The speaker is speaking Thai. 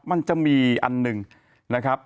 มันจะมีอันหนึ่งนะครับ